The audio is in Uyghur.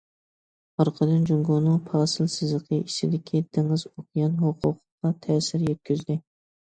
ئارقىدىن جۇڭگونىڭ پاسىل سىزىقى ئىچىدىكى دېڭىز ئوكيان ھوقۇقىغا تەسىر يەتكۈزدى.